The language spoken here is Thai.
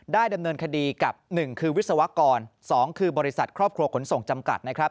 ได้ดำเนินคดีกับ๑วิศวกร๒บริษัทครอบครัวขนส่งจำกัด